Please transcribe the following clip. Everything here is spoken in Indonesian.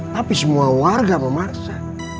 tapi semua warga memaksa